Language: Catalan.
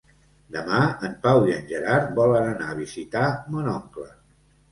Demà en Pau i en Gerard volen anar a visitar mon oncle.